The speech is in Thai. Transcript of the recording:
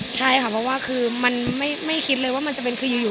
ใช่ค่ะเพราะว่าคือมันไม่คิดเลยว่ามันจะเป็นคืออยู่